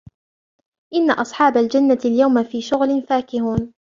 إن أصحاب الجنة اليوم في شغل فاكهون